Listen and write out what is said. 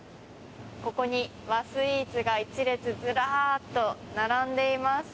ここ和スイーツがずらーっと１列並んでいます。